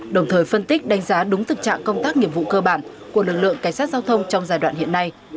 đồng thời phân tích đánh giá đúng thực trạng công tác nghiệp vụ cơ bản của lực lượng cảnh sát giao thông trong giai đoạn hiện nay